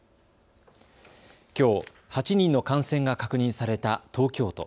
きょう８人の感染が確認された東京都。